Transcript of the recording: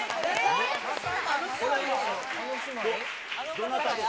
どなたです？